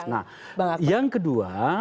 nah yang kedua